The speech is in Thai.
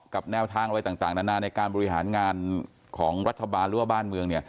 แนวทางอะไรต่างนานาในการบริหารงานของรัฐบาลหรือว่าบ้านเมือง